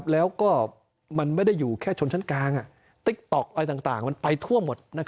แล้วก็มันไม่ได้อยู่แค่ชนชั้นกลางติ๊กต๊อกอะไรต่างมันไปทั่วหมด